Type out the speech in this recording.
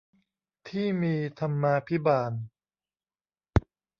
ที่มีธรรมาภิบาล